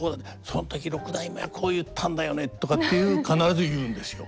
その時六代目はこう言ったんだよね」とかっていう必ず言うんですよ。